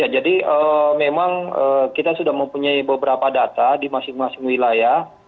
jadi memang kita sudah mempunyai beberapa data di masing masing wilayah